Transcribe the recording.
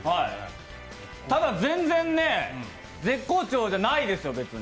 ただ、全然ね、絶好調じゃないですよ、別に。